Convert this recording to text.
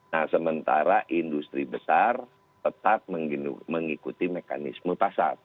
nah sementara industri besar tetap mengikuti mekanisme pasar